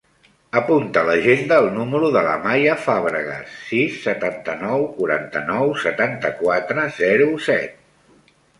Apunta a l'agenda el número de l'Amaia Fabregas: sis, setanta-nou, quaranta-nou, setanta-quatre, zero, set.